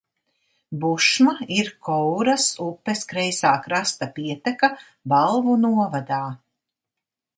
Bušma ir Kouras upes kreisā krasta pieteka Balvu novadā.